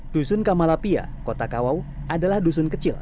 dusun kamalapia kota kawau adalah dusun kecil